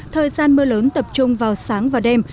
thời gian mưa lớn tập trung vào sáng và đêm